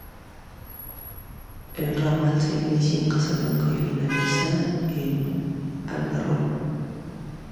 El Ramal se inicia en Casablanca y finaliza en Algarrobo.